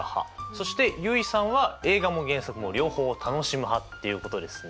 そして結衣さんは映画も原作も両方楽しむ派っていうことですね。